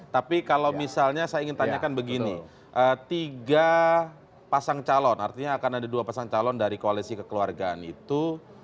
tapi kalau misalnya saya ingin tanyakan begini tiga pasang calon artinya akan ada dua pasang calon dari koalisi kekeluargaan itu